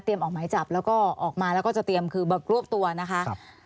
เตรียมออกไม้จับแล้วก็ออกมาแล้วก็จะเตรียมคือบัตรรวบตัวนะคะ